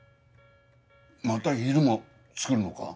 また昼も作るのか？